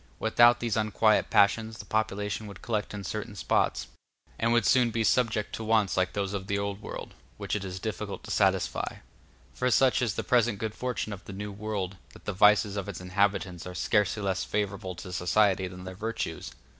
Without these unquiet passions the population would collect in certain spots, and would soon be subject to wants like those of the Old World, which it is difficult to satisfy; for such is the present good fortune of the New World, that the vices of its inhabitants are scarcely less favorable to society than their virtues.